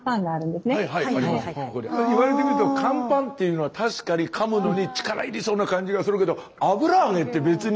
言われてみると乾パンっていうのは確かにかむのに力いりそうな感じがするけど油揚げって別に。